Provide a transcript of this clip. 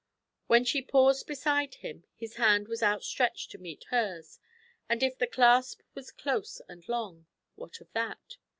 When she paused beside him his hand was outstretched to meet hers; and if the clasp was close and long, what of that?